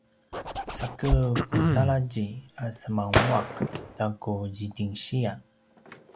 sake pusaladji a semananguaq ta ku zidingsiya